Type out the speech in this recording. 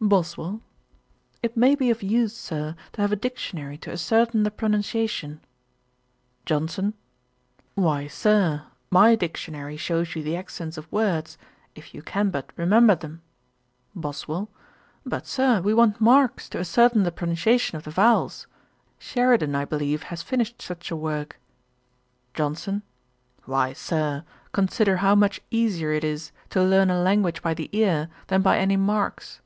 BOSWELL. 'It may be of use, Sir, to have a Dictionary to ascertain the pronunciation.' JOHNSON. 'Why, Sir, my Dictionary shows you the accents of words, if you can but remember them.' BOSWELL. 'But, Sir, we want marks to ascertain the pronunciation of the vowels. Sheridan, I believe, has finished such a work.' JOHNSON. 'Why, Sir, consider how much easier it is to learn a language by the ear, than by any marks.